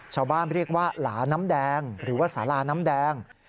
ชาวบ้านเรียกว่าหลาน้ำแดงหรือว่าสาลาน้ำแดง